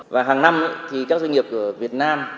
và hàng năm thì các doanh nghiệp ở việt nam